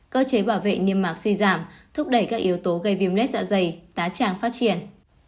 cơ chế bảo vệ niêm mạc suy giảm thúc đẩy các yếu tố gây viêm lết dạ dày tá tràng phát triển